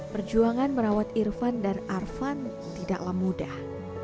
perjuangan merawat irfan dan arvan tidaklah mudah